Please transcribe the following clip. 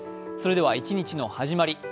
それでは一日の始まり。